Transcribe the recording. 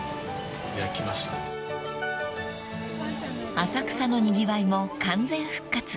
［浅草のにぎわいも完全復活］